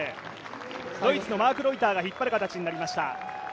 ドイツのマーク・ロイターが引っ張る形となりました。